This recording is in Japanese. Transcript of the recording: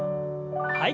はい。